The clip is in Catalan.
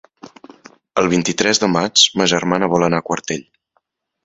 El vint-i-tres de maig ma germana vol anar a Quartell.